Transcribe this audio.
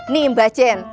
nih mbak jen